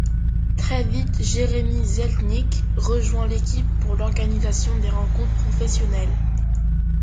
Très vite Jérémy Zelnik rejoint l’équipe pour l’organisation des rencontres professionnelles.